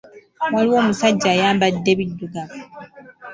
Waliwo omusajja ayambadde biddugavu.